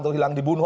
atau hilang dibunuh